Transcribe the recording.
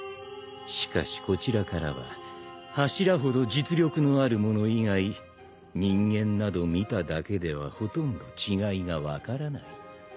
しかしこちらからは柱ほど実力のある者以外人間など見ただけではほとんど違いが分からない。